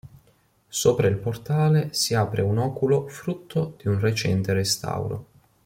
Sopra il portale si apre un oculo frutto di un recente restauro.